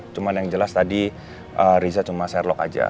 cuman yang jelas tadi riza cuma sherlock aja